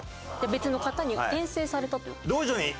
別の方に転生されたという？